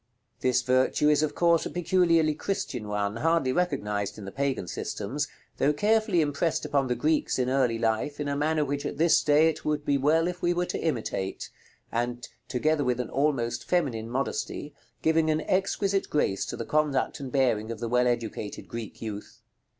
This virtue is of course a peculiarly Christian one, hardly recognized in the Pagan systems, though carefully impressed upon the Greeks in early life in a manner which at this day it would be well if we were to imitate, and, together with an almost feminine modesty, giving an exquisite grace to the conduct and bearing of the well educated Greek youth.